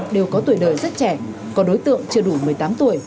đều có tuổi đời rất trẻ có đối tượng chưa đủ một mươi tám tuổi